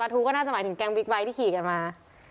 ทูก็น่าจะหมายถึงแก๊งบิ๊กไบท์ที่ขี่กันมา